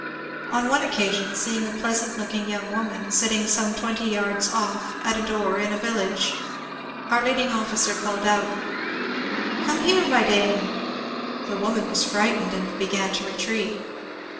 On one occasion, seeing a pleasant looking young woman sitting some twenty yards off at a door in a village, our leading officer called out :—" Come here, my dame !" The woman was frightened and began to retreat.